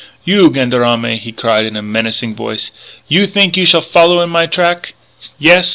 "You gendarme," he cried in a menacing voice, "you think you shall follow in my track. Yes?